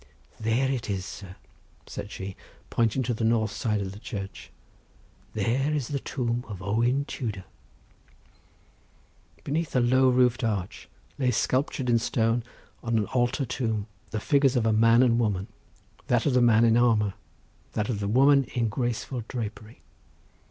"There it is, sir," said she, pointing to the north side of the church; "there is the tomb of Owen Tudor." Beneath a low roofed arch lay sculptured in stone, on an altar tomb, the figures of a man and woman; that of the man in armour; that of the woman in graceful drapery.